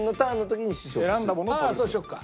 ああそうしよっか。